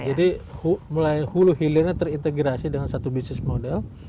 jadi mulai hulu hilirnya terintegrasi dengan satu bisnis model